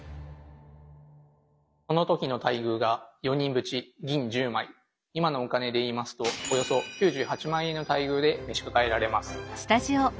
その時の待遇が今のお金で言いますとおよそ９８万円の待遇で召し抱えられます。